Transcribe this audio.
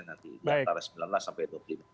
nanti dari sembilan belas sampai dua puluh lima